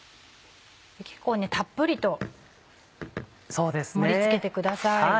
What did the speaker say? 結構たっぷりと盛り付けてください。